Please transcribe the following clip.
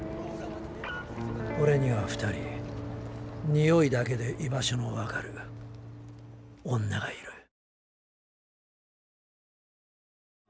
オレには２人においだけで居場所の分かる女がいる